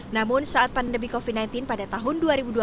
namun saat pandemi covid sembilan belas pada tahun dua ribu dua puluh